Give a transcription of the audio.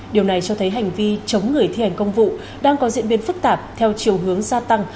điều này cho thấy hành vi chống người thi hành công vụ đang có diễn biến phức tạp theo chiều hướng gia tăng